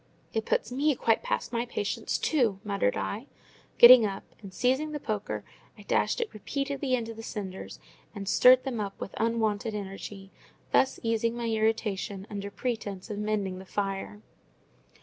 "It puts me quite past my patience too!" muttered I, getting up; and, seizing the poker, I dashed it repeatedly into the cinders, and stirred them up with unwonted energy; thus easing my irritation under pretence of mending the fire.